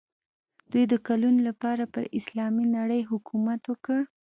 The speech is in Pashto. دوی د کلونو لپاره پر اسلامي نړۍ حکومت وکړ.